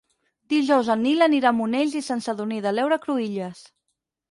Dijous en Nil anirà a Monells i Sant Sadurní de l'Heura Cruïlles.